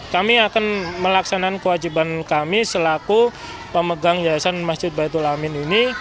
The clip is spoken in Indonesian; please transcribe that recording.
kami akan melaksanakan kewajiban kami selaku pemegang yayasan masjid baitul amin ini